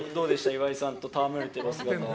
岩井さんと戯れているお姿は。